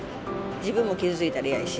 自分も傷ついたら嫌やし。